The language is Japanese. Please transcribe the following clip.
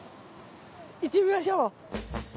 行ってみましょう！